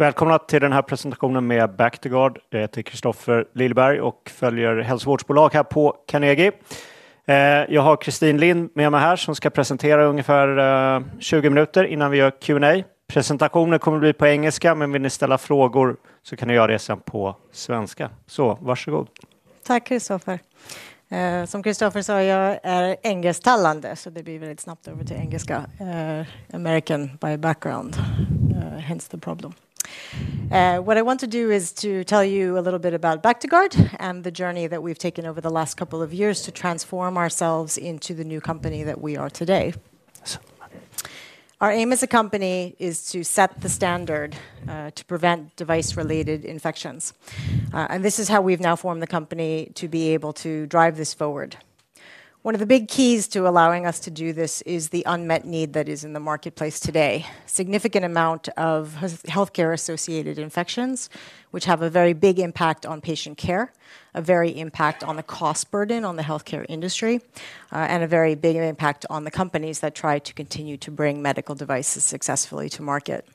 Välkomna till den här presentationen med Bactiguard. Jag heter Kristofer Liljeberg och följer hälsovårdsbolag här på Carnegie. Jag har Christine Lind med mig här som ska presentera i ungefär 20 minuter innan vi gör Q&A. Presentationen kommer att bli på engelska, men vill ni ställa frågor så kan ni göra det sedan på svenska. Så, varsågod. Tack, Kristofer. Som Kristofer sa, jag är engelsktalande, så det blir väldigt snabbt över till engelska. American by background, hence the problem. What I want to do is to tell you a little bit about Bactiguard and the journey that we've taken over the last couple of years to transform ourselves into the new company that we are today. Our aim as a company is to set the standard to prevent device-related infections. And this is how we've now formed the company to be able to drive this forward. One of the big keys to allowing us to do this is the unmet need that is in the marketplace today: a significant amount of healthcare-associated infections, which have a very big impact on patient care, a very big impact on the cost burden on the healthcare industry, and a very big impact on the companies that try to continue to bring medical devices successfully to market.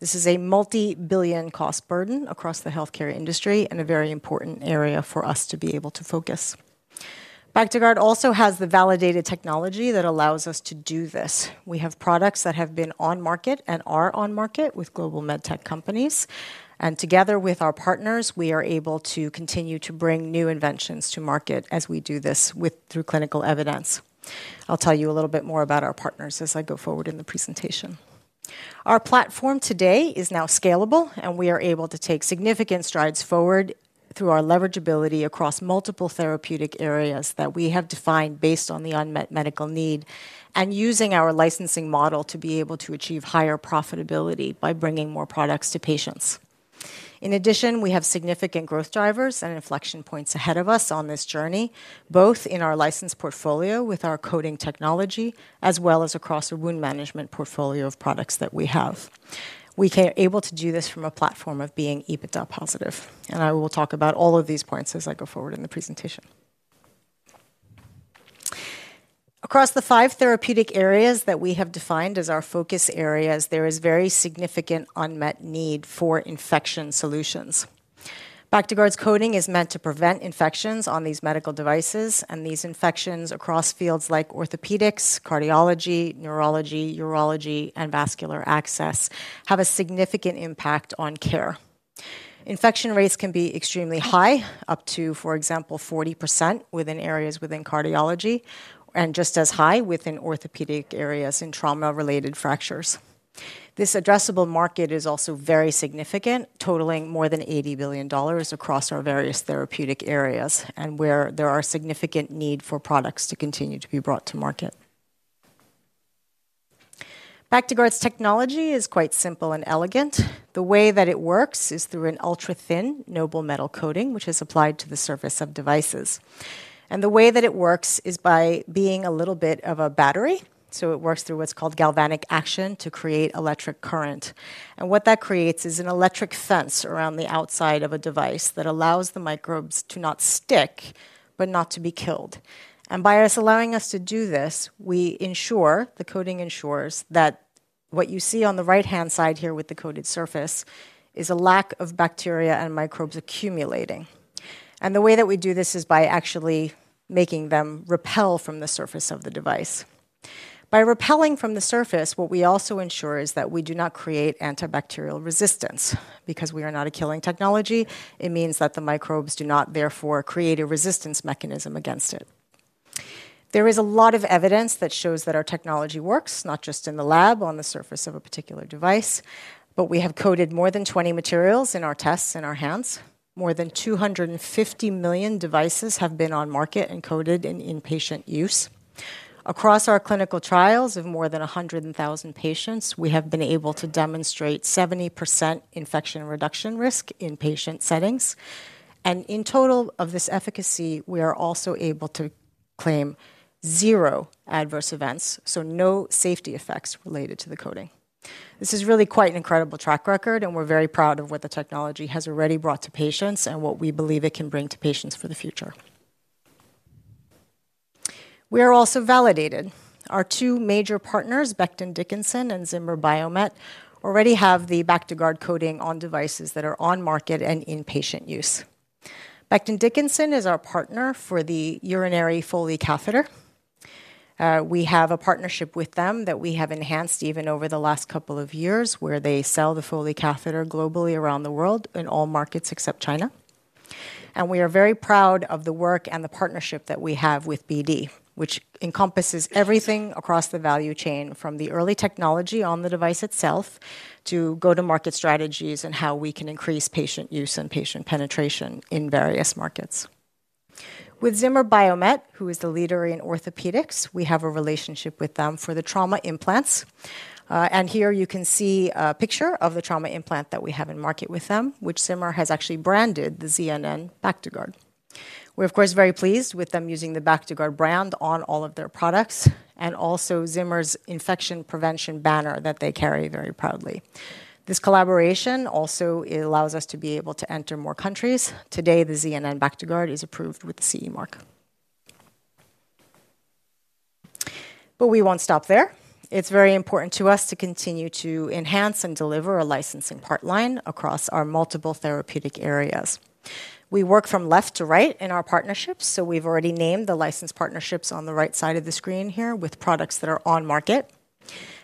This is a multi-billion cost burden across the healthcare industry and a very important area for us to be able to focus. Bactiguard also has the validated technology that allows us to do this. We have products that have been on market and are on market with global medtech companies, and together with our partners, we are able to continue to bring new inventions to market as we do this through clinical evidence. I'll tell you a little bit more about our partners as I go forward in the presentation. Our platform today is now scalable, and we are able to take significant strides forward through our leverageability across multiple therapeutic areas that we have defined based on the unmet medical need and using our licensing model to be able to achieve higher profitability by bringing more products to patients. In addition, we have significant growth drivers and inflection points ahead of us on this journey, both in our license portfolio with our coating technology as well as across the wound management portfolio of products that we have. We are able to do this from a platform of being EBITDA positive. And I will talk about all of these points as I go forward in the presentation. Across the five therapeutic areas that we have defined as our focus areas, there is very significant unmet need for infection solutions. Bactiguard's coating is meant to prevent infections on these medical devices, and these infections across fields like orthopedics, cardiology, neurology, urology, and vascular access have a significant impact on care. Infection rates can be extremely high, up to, for example, 40% within areas within cardiology and just as high within orthopedic areas in trauma-related fractures. This addressable market is also very significant, totaling more than $80 billion across our various therapeutic areas and where there is a significant need for products to continue to be brought to market. Bactiguard's technology is quite simple and elegant. The way that it works is through an ultra-thin noble metal coating, which is applied to the surface of devices. The way that it works is by being a little bit of a battery. So it works through what's called galvanic action to create electric current. And what that creates is an electric fence around the outside of a device that allows the microbes to not stick but not to be killed. And by us allowing us to do this, we ensure, the coating ensures, that what you see on the right-hand side here with the coated surface is a lack of bacteria and microbes accumulating. And the way that we do this is by actually making them repel from the surface of the device. By repelling from the surface, what we also ensure is that we do not create antibacterial resistance. Because we are not a killing technology, it means that the microbes do not, therefore, create a resistance mechanism against it. There is a lot of evidence that shows that our technology works, not just in the lab on the surface of a particular device, but we have coated more than 20 materials in our tests in our hands. More than 250 million devices have been on the market and coated in inpatient use. Across our clinical trials of more than 100,000 patients, we have been able to demonstrate 70% infection reduction risk in patient settings. In total of this efficacy, we are also able to claim zero adverse events, so no safety effects related to the coating. This is really quite an incredible track record, and we're very proud of what the technology has already brought to patients and what we believe it can bring to patients for the future. We are also validated. Our two major partners, Becton Dickinson and Zimmer Biomet, already have the Bactiguard coating on devices that are on the market and in patient use. Becton Dickinson is our partner for the urinary Foley catheter. We have a partnership with them that we have enhanced even over the last couple of years, where they sell the Foley catheter globally around the world in all markets except China. We are very proud of the work and the partnership that we have with BD, which encompasses everything across the value chain, from the early technology on the device itself to go-to-market strategies and how we can increase patient use and patient penetration in various markets. With Zimmer Biomet, who is the leader in orthopedics, we have a relationship with them for the trauma implants. Here you can see a picture of the trauma implant that we have in market with them, which Zimmer has actually branded the ZNN Bactiguard. We're, of course, very pleased with them using the Bactiguard brand on all of their products and also Zimmer's infection prevention banner that they carry very proudly. This collaboration also allows us to be able to enter more countries. Today, the ZNN Bactiguard is approved with the CE mark. We won't stop there. It's very important to us to continue to enhance and deliver a licensing product line across our multiple therapeutic areas. We work from left to right in our partnerships, so we've already named the license partnerships on the right side of the screen here with products that are on market.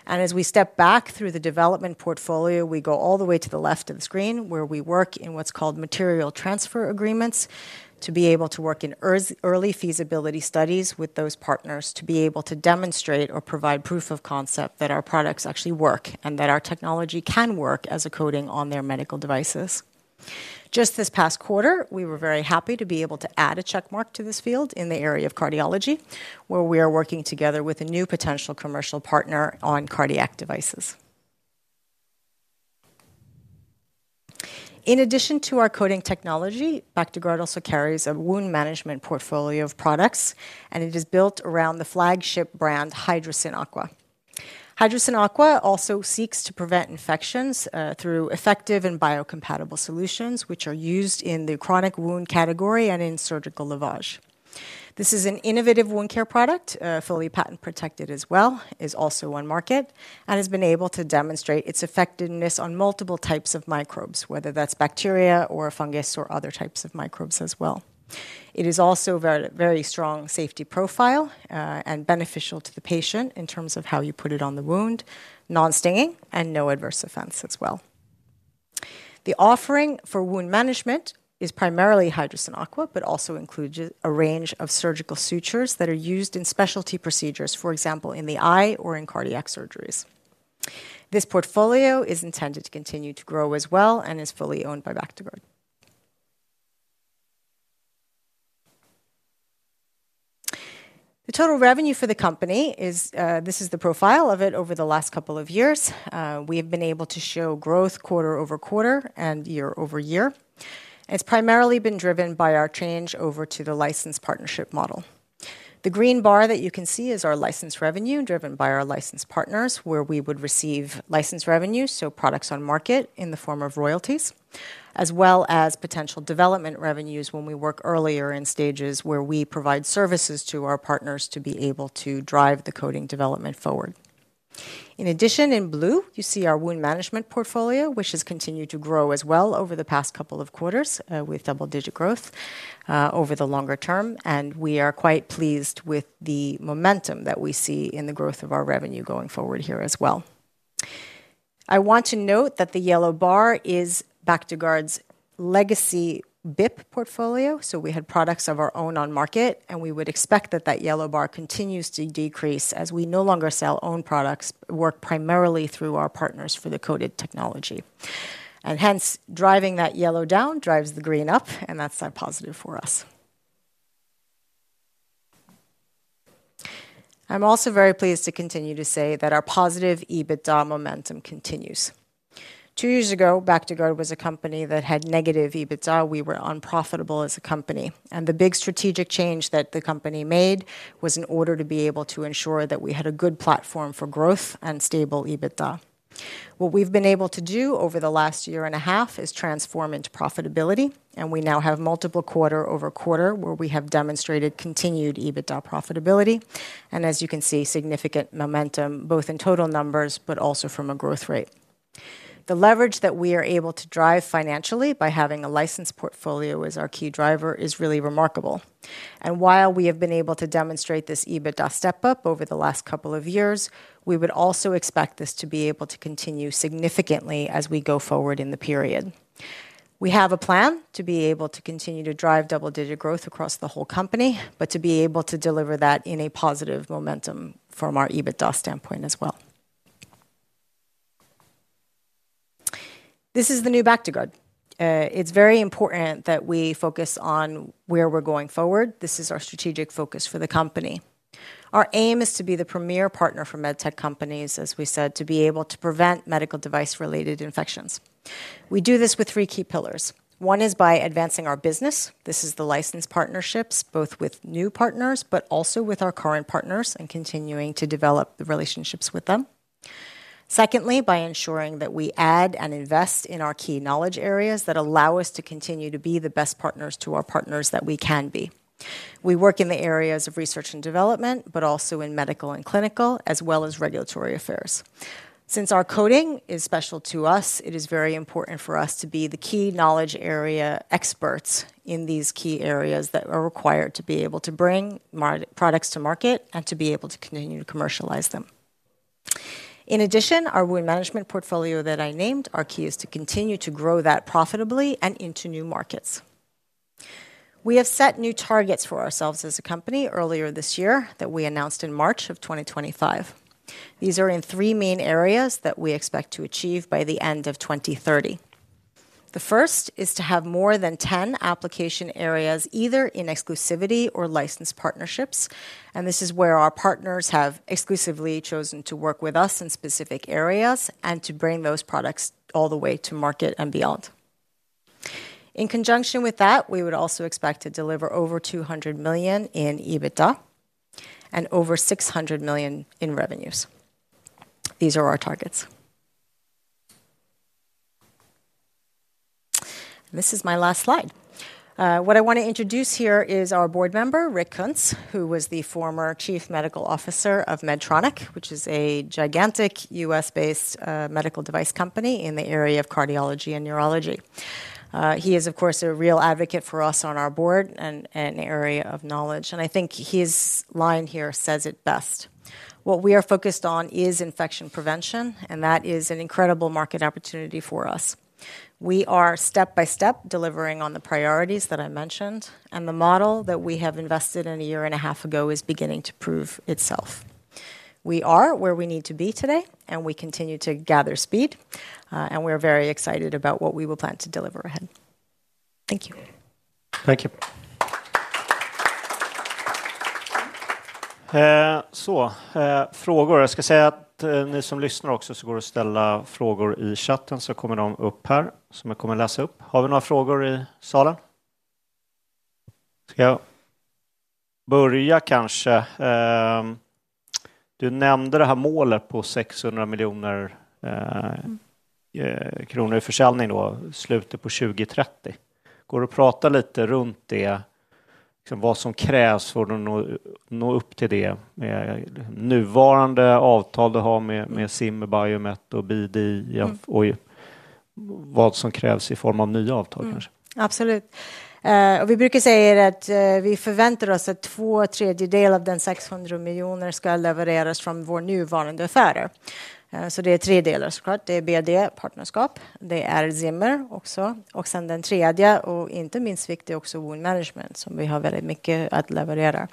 As we step back through the development portfolio, we go all the way to the left of the screen, where we work in what's called material transfer agreements to be able to work in early feasibility studies with those partners to be able to demonstrate or provide proof of concept that our products actually work and that our technology can work as a coating on their medical devices. Just this past quarter, we were very happy to be able to add a checkmark to this field in the area of cardiology, where we are working together with a new potential commercial partner on cardiac devices. In addition to our coating technology, Bactiguard also carries a wound management portfolio of products, and it is built around the flagship brand Hydrocyn aqua. Hydrocyn aqua also seeks to prevent infections through effective and biocompatible solutions, which are used in the chronic wound category and in surgical lavage. This is an innovative wound care product, fully patent protected as well. It is also on market, and has been able to demonstrate its effectiveness on multiple types of microbes, whether that's bacteria or fungus or other types of microbes as well. It is also a very strong safety profile and beneficial to the patient in terms of how you put it on the wound, non-stinging, and no adverse effects as well. The offering for wound management is primarily Hydrocyn aqua, but also includes a range of surgical sutures that are used in specialty procedures, for example, in the eye or in cardiac surgeries. This portfolio is intended to continue to grow as well and is fully owned by Bactiguard. The total revenue for the company is. This is the profile of it over the last couple of years. We have been able to show growth quarter over quarter and year over year. It's primarily been driven by our change over to the license partnership model. The green bar that you can see is our license revenue driven by our license partners, where we would receive license revenue, so products on market in the form of royalties, as well as potential development revenues when we work earlier in stages where we provide services to our partners to be able to drive the coating development forward. In addition, in blue, you see our wound management portfolio, which has continued to grow as well over the past couple of quarters with double-digit growth over the longer term. We are quite pleased with the momentum that we see in the growth of our revenue going forward here as well. I want to note that the yellow bar is Bactiguard's legacy BIP portfolio. We had products of our own on market, and we would expect that that yellow bar continues to decrease as we no longer sell our own products, work primarily through our partners for the coated technology. Hence, driving that yellow down drives the green up, and that's a positive for us. I'm also very pleased to continue to say that our positive EBITDA momentum continues. Two years ago, Bactiguard was a company that had negative EBITDA. We were unprofitable as a company. The big strategic change that the company made was in order to be able to ensure that we had a good platform for growth and stable EBITDA. What we've been able to do over the last year and a half is transform into profitability, and we now have multiple quarter over quarter where we have demonstrated continued EBITDA profitability, and as you can see, significant momentum both in total numbers but also from a growth rate. The leverage that we are able to drive financially by having a license portfolio as our key driver is really remarkable, and while we have been able to demonstrate this EBITDA step-up over the last couple of years, we would also expect this to be able to continue significantly as we go forward in the period. We have a plan to be able to continue to drive double-digit growth across the whole company, but to be able to deliver that in a positive momentum from our EBITDA standpoint as well. This is the new Bactiguard. It's very important that we focus on where we're going forward. This is our strategic focus for the company. Our aim is to be the premier partner for medtech companies, as we said, to be able to prevent medical device-related infections. We do this with three key pillars. One is by advancing our business. This is the license partnerships, both with new partners but also with our current partners and continuing to develop the relationships with them. Secondly, by ensuring that we add and invest in our key knowledge areas that allow us to continue to be the best partners to our partners that we can be. We work in the areas of research and development, but also in medical and clinical, as well as regulatory affairs. Since our coding is special to us, it is very important for us to be the key knowledge area experts in these key areas that are required to be able to bring products to market and to be able to continue to commercialize them. In addition, our wound management portfolio that I named our key is to continue to grow that profitably and into new markets. We have set new targets for ourselves as a company earlier this year that we announced in March of 2025. These are in three main areas that we expect to achieve by the end of 2030. The first is to have more than 10 application areas, either in exclusivity or license partnerships. And this is where our partners have exclusively chosen to work with us in specific areas and to bring those products all the way to market and beyond. In conjunction with that, we would also expect to deliver over 200 million in EBITDA and over 600 million in revenues. These are our targets. This is my last slide. What I want to introduce here is our board member, Rick Kuntz, who was the former Chief Medical Officer of Medtronic, which is a gigantic U.S.-based medical device company in the area of cardiology and neurology. He is, of course, a real advocate for us on our board and an area of knowledge. I think his line here says it best. What we are focused on is infection prevention, and that is an incredible market opportunity for us. We are step by step delivering on the priorities that I mentioned, and the model that we have invested in a year and a half ago is beginning to prove itself. We are where we need to be today, and we continue to gather speed. And we are very excited about what we will plan to deliver ahead. Thank you. Tack. Så, frågor. Jag ska säga att ni som lyssnar också, så går det att ställa frågor i chatten, så kommer de upp här som jag kommer att läsa upp. Har vi några frågor i salen? Ska jag börja kanske? Du nämnde det här målet på 600 million kronor i försäljning då, slutet på 2030. Går det att prata lite runt det, vad som krävs för att nå upp till det med nuvarande avtal du har med Zimmer Biomet och BD, och vad som krävs i form av nya avtal kanske? Abolut. Och vi brukar säga att vi förväntar oss att två tredjedelar av den 600 million ska levereras från vår nuvarande affär. Så det är tre delar såklart. Det är BD-partnerskap, det är Zimmer också, och sen den tredje, och inte minst viktig också, wound management, som vi har väldigt mycket att leverera.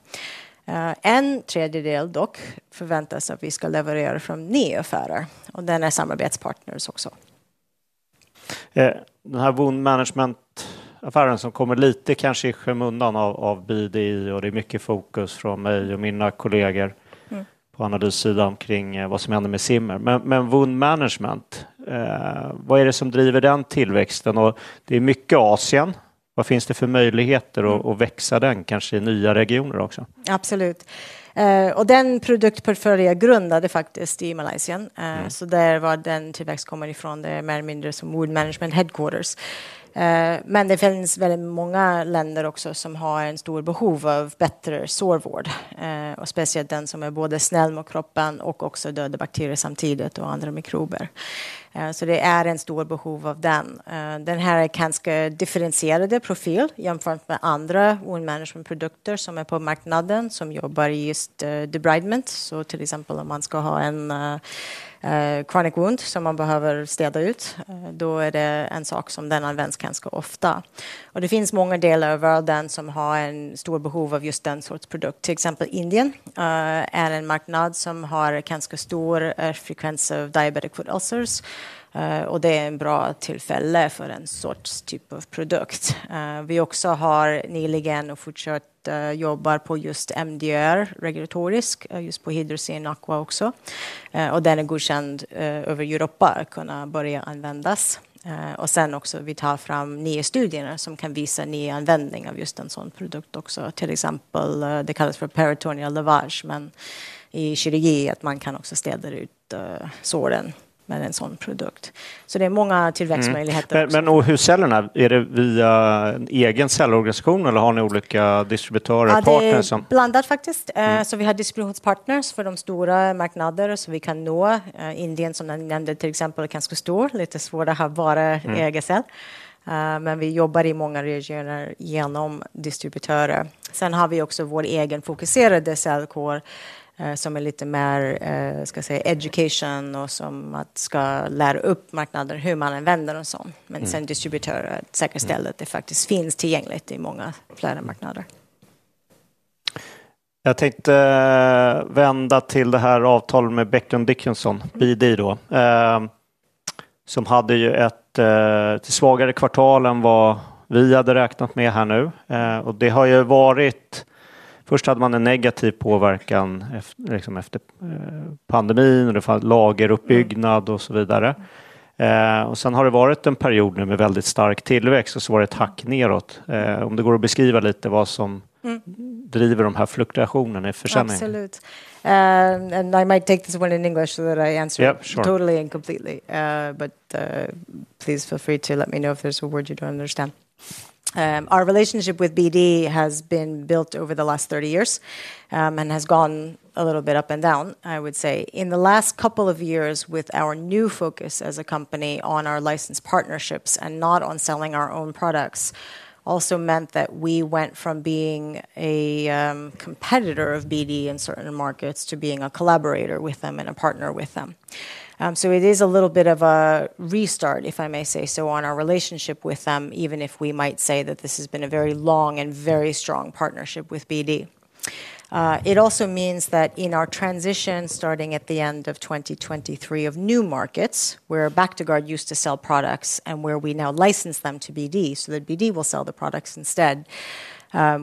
En tredjedel dock förväntas att vi ska leverera från nya affärer, och den är samarbetspartners också. Den här wound management-affären som kommer lite kanske i skymundan av BD, och det är mycket fokus från mig och mina kollegor på analyssidan kring vad som händer med Zimmer. Men wound management, vad är det som driver den tillväxten? Och det är mycket Asien. Vad finns det för möjligheter att växa den kanske i nya regioner också? Absolut. Och den produktportfölj är grundad faktiskt i Malaysia, så där var den tillväxt kommer ifrån. Det är mer eller mindre som wound management headquarters. Men det finns väldigt många länder också som har ett stort behov av bättre sårvård, och speciellt den som är både snäll mot kroppen och också dödar bakterier samtidigt och andra mikrober. Så det är ett stort behov av den. Den här är en ganska differentierad profil jämfört med andra wound management-produkter som är på marknaden som jobbar i just debridement. Så till exempel, om man ska ha en chronic wound som man behöver städa ut, då är det en sak som den används ganska ofta. Och det finns många delar av världen som har ett stort behov av just den sorts produkt. Till exempel, Indien är en marknad som har ganska stor frekvens av diabetic foot ulcers, och det är ett bra tillfälle för en sorts typ av produkt. Vi också har nyligen och fortsatt jobbar på just MDR, regulatoriskt, just på Hydrocyn Aqua också. Och den är godkänd över Europa att kunna börja användas. Och sen också, vi tar fram nya studier som kan visa ny användning av just en sådan produkt också. Till exempel, det kallas för peritoneal lavage, men i kirurgi att man kan också städa ut såren med en sådan produkt. Så det är många tillväxtmöjligheter. Men er sälj, är det via en egen säljorganisation eller har ni olika distributörer? Blandat faktiskt. Så vi har distributionspartners för de stora marknaderna som vi kan nå. Indien, som jag nämnde till exempel, är ganska stor, lite svårare att ha bara egen sälj. Men vi jobbar i många regioner genom distributörer. Sen har vi också vår egen fokuserade säljkår som är lite mer, ska jag säga, education och som att ska lära upp marknaden hur man använder en sådan. Men sen distributörer säkerställer att det faktiskt finns tillgängligt i många flera marknader. Jag tänkte vända till det här avtalet med Becton Dickinson, BD då, som hade ju ett svagare kvartal än vad vi hade räknat med här nu. Och det har ju varit, först hade man en negativ påverkan efter pandemin och det fanns lageruppbyggnad och så vidare. Och sen har det varit en period nu med väldigt stark tillväxt och så var det ett hack neråt. Om det går att beskriva lite vad som driver de här fluktuationerna i försäljningen? Absolut. And I might take this one in English so that I answer totally and completely. But please feel free to let me know if there's a word you don't understand. Our relationship with BD has been built over the last 30 years and has gone a little bit up and down, I would say. In the last couple of years, with our new focus as a company on our license partnerships and not on selling our own products, also meant that we went from being a competitor of BD in certain markets to being a collaborator with them and a partner with them. So it is a little bit of a restart, if I may say so, on our relationship with them, even if we might say that this has been a very long and very strong partnership with BD. It also means that in our transition starting at the end of 2023 of new markets, where Bactiguard used to sell products and where we now license them to BD so that BD will sell the products instead,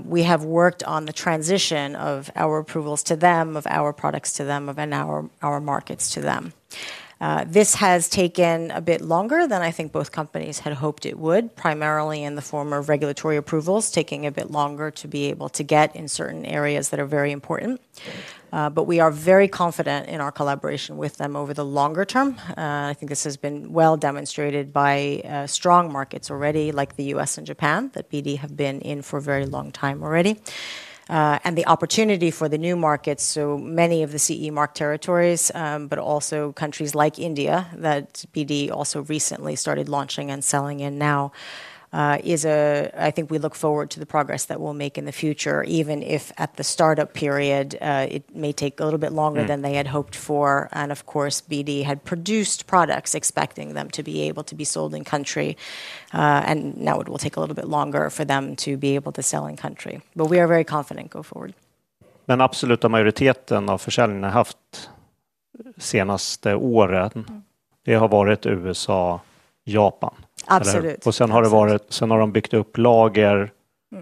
we have worked on the transition of our approvals to them, of our products to them, of our markets to them. This has taken a bit longer than I think both companies had hoped it would, primarily in the form of regulatory approvals, taking a bit longer to be able to get in certain areas that are very important, but we are very confident in our collaboration with them over the longer term. I think this has been well demonstrated by strong markets already, like the U.S. and Japan, that BD have been in for a very long time already, and the opportunity for the new markets, so many of the CE mark territories, but also countries like India that BD also recently started launching and selling in now, is, I think we look forward to the progress that we'll make in the future, even if at the startup period it may take a little bit longer than they had hoped for. And of course, BD had produced products expecting them to be able to be sold in country, and now it will take a little bit longer for them to be able to sell in country. But we are very confident going forward. Den absoluta majoriteten av försäljningen jag haft senaste åren, det har varit USA, Japan. Absolut. Och sen har det varit, sen har de byggt upp lager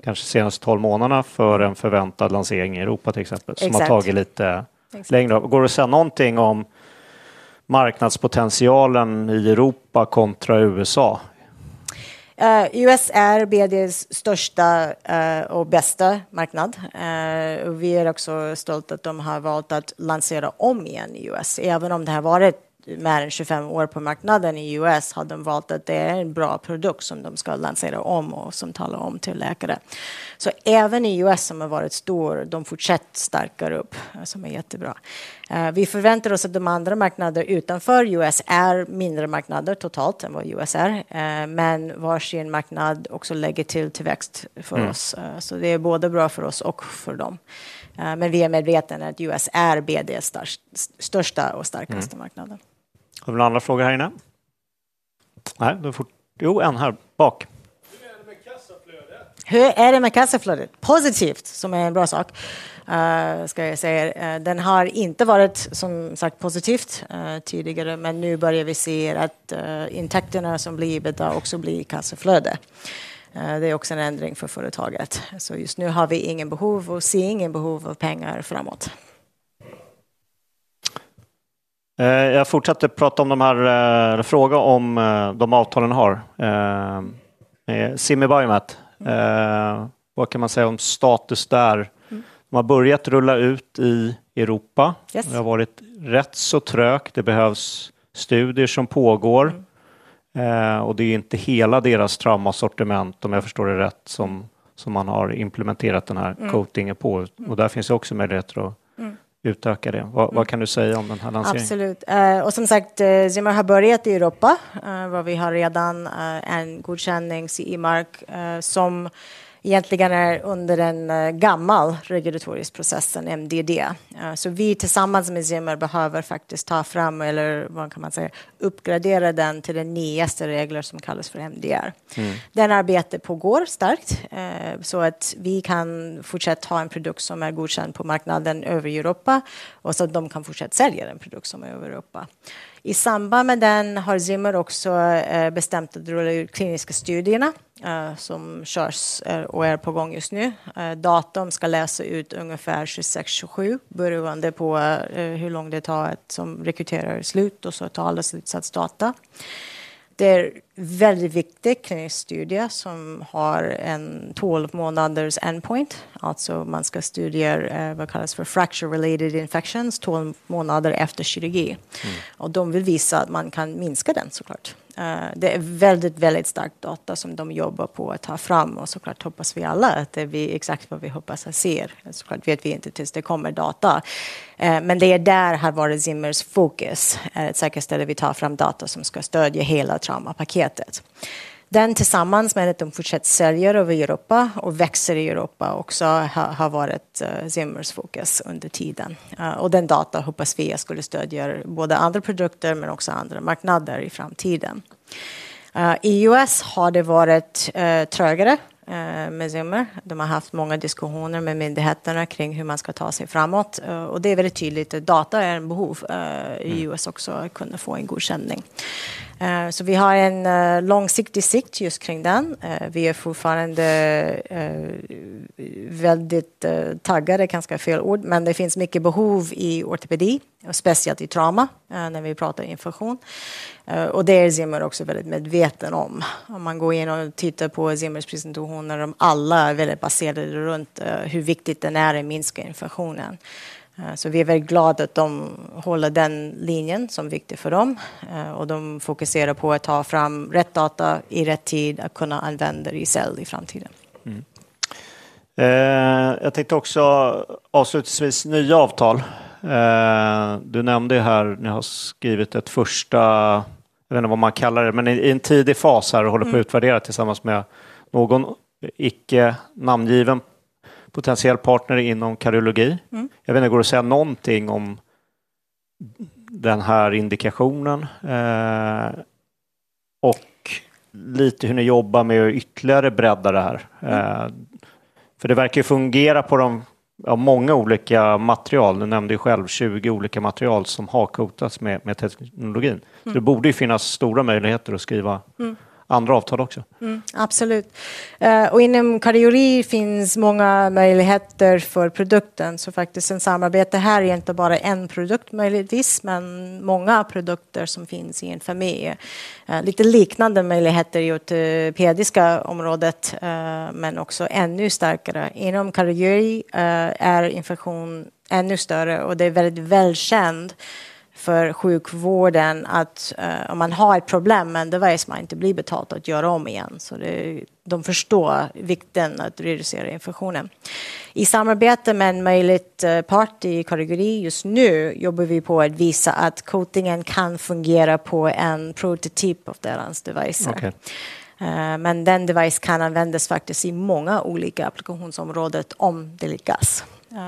kanske senaste tolv månaderna för en förväntad lansering i Europa till exempel, som har tagit lite längre av. Går det att säga någonting om marknadspotentialen i Europa kontr a USA? USA är BDs största och bästa marknad. Vi är också stolta att de har valt att lansera om igen i USA. Även om det har varit mer än 25 år på marknaden i USA har de valt att det är en bra produkt som de ska lansera om och som talar om till läkare. Så även i USA som har varit stor, de fortsätter stärka upp, som är jättebra. Vi förväntar oss att de andra marknaderna utanför USA är mindre marknader totalt än vad USA är, men varsin marknad också lägger till tillväxt för oss. Så det är både bra för oss och för dem. Men vi är medvetna att USA är BD:s största och starkaste marknad. Har vi några andra frågor här inne? Nej, då är det slut, jo, en här bak. Hur är det med kassaflödet? Hur är det med kassaflödet? Positivt, som är en bra sak. Som jag säger, den har inte varit, som sagt, positiv tidigare, men nu börjar vi se att intäkterna som blir betalda också blir kassaflöde. Det är också en ändring för företaget. Så just nu har vi ingen behov och ser ingen behov av pengar framåt. Jag fortsätter prata om de här, fråga om de avtalen ni har. Zimmer Biomet. Vad kan man säga om status där? De har börjat rulla ut i Europa. Det har varit rätt så trögt. Det behövs studier som pågår, och det är inte hela deras traumasortiment, om jag förstår det rätt, som man har implementerat den här coatingen på. Där finns det också möjligheter att utöka det. Vad kan du säga om den här lanseringen? Absolut. Som sagt, Zimmer Biomet har börjat i Europa. Vi har redan ett godkännande CE mark som egentligen är under en gammal regulatorisk process, en MDD. Så vi tillsammans med Zimmer behöver faktiskt ta fram, eller vad kan man säga, uppgradera den till de nyaste reglerna som kallas för MDR. Det arbetet pågår starkt, så att vi kan fortsätta ha en produkt som är godkänd på marknaden över Europa och så att de kan fortsätta sälja den produkt som är över Europa. I samband med den har Zimmer också bestämt att rulla ut kliniska studierna som körs och är på gång just nu. Data ska läsas ut ungefär 26-27 beroende på hur lång tid det tar att rekrytera slut och så ta alla slutdata. Det är en väldigt viktig klinisk studie som har en 12 månaders endpoint, alltså man ska studera vad som kallas för fracture-related infections 12 månader efter kirurgi. Och de vill visa att man kan minska den såklart. Det är väldigt, väldigt starka data som de jobbar på att ta fram och såklart hoppas vi alla att det är exakt vad vi hoppas att se. Såklart vet vi inte tills det kommer data. Men det är det som har varit Zimmer's fokus, att säkerställa att vi tar fram data som ska stödja hela traumapaketet. Det tillsammans med att de fortsätter sälja över Europa och växer i Europa också har varit Zimmer's fokus under tiden. Och den data hoppas vi att skulle stödja både andra produkter men också andra marknader i framtiden. I USA har det varit trögare med Zimmer. De har haft många diskussioner med myndigheterna kring hur man ska ta sig framåt. Och det är väldigt tydligt att data är ett behov i USA också att kunna få en godkänning. Så vi har en långsiktig syn just kring den. Vi är fortfarande väldigt taggade, kanske fel ord, men det finns mycket behov i ortopedi och speciellt i trauma när vi pratar infektion. Och det är Zimmer också väldigt medveten om. Om man går in och tittar på Zimmers presentationer, de alla är väldigt baserade runt hur viktigt det är att minska infektionen. Så vi är väldigt glada att de håller den linjen som är viktig för dem. Och de fokuserar på att ta fram rätt data i rätt tid, att kunna använda det i sälj i framtiden. Jag tänkte också avslutningsvis nya avtal. Du nämnde ju här, ni har skrivit ett första, jag vet inte vad man kallar det, men i en tidig fas här och håller på att utvärdera tillsammans med någon icke namngiven potentiell partner inom kardiologi. Jag vet inte om det går att säga någonting om den här indikationen. och lite hur ni jobbar med att ytterligare bredda det här. För det verkar ju fungera på dem, ja, många olika material. Du nämnde ju själv 20 olika material som har coatats med teknologin. Så det borde ju finnas stora möjligheter att skriva andra avtal också. Absolut. Och inom kardiologi finns många möjligheter för produkten. Så faktiskt ett samarbete här är inte bara en produkt möjligtvis, men många produkter som finns inför mig. Lite liknande möjligheter i ortopediska området, men också ännu starkare. Inom kardiologi är infektion ännu större och det är väldigt välkänt för sjukvården att om man har ett problem med en devicen inte blir betald att göra om igen. Så det är de förstår vikten att reducera infektionen. I samarbete med en möjlig part i kardiologi just nu jobbar vi på att visa att coatingen kan fungera på en prototyp av deras devicer. Men den devicen kan användas faktiskt i många olika applikationsområden om det lyckas.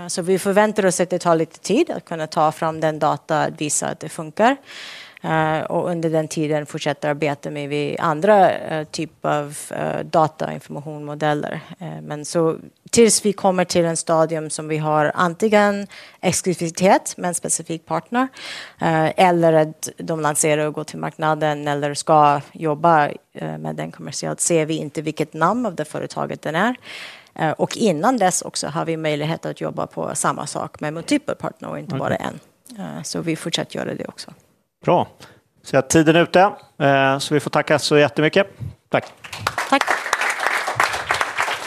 Så vi förväntar oss att det tar lite tid att kunna ta fram den data att visa att det funkar. Och under den tiden fortsätter arbete med andra typer av datainformation och modeller. Men så tills vi kommer till en stadium som vi har antingen exklusivitet med en specifik partner, eller att de lanserar och går till marknaden eller ska jobba med en kommersiell, ser vi inte vilket namn av det företaget den är. Och innan dess också har vi möjlighet att jobba på samma sak med multiple partner och inte bara en. Så vi fortsätter göra det också. Bra. Så jag har tiden är ute. Så vi får tacka så jättemycket. Tack. Tack.